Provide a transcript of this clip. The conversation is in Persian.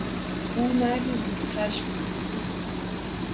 او مردی زود خشم بود.